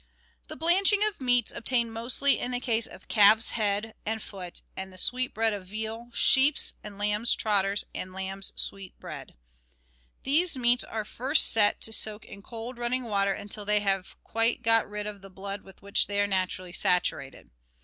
The blanching of meats obtains mostly in the case of calf's head and foot and the sweet bread of veal, sheep's and lambs' K I30 GUIDE TO MODERN COOKERY trotters, and lamb's sweet bread. These meats are first set to soak in cold, running water until they have quite got rid of the blood with which they are naturally saturated.